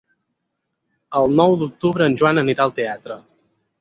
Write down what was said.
El nou d'octubre en Joan anirà al teatre.